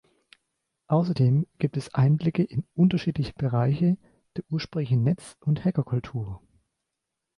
Außerdem gibt es Einblicke in unterschiedliche Bereiche der ursprünglichen Netz- und Hackerkultur.